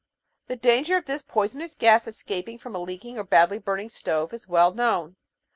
The danger of this poisonous gas escaping from a leaking or badly burning stove is well known.